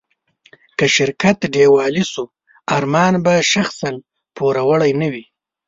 که شرکت ډيوالي شو، ارمان به شخصاً پوروړی نه و.